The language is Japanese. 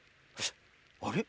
あれ？